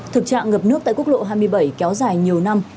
thực trạng ngập nước tại quốc lộ hai mươi bảy kéo dài nhiều năm